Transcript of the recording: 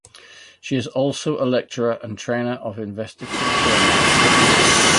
She is also a lecturer and trainer of investigative journalism.